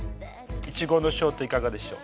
苺のショートいかがでしょう。